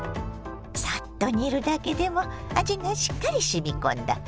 サッと煮るだけでも味がしっかりしみ込んだ